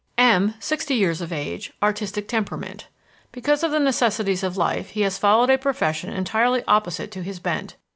M......, sixty years of age, artistic temperament. Because of the necessities of life, he has followed a profession entirely opposite to his bent.